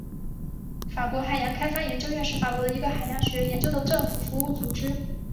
法国海洋开发研究院是法国的一个海洋学研究的政府服务组织。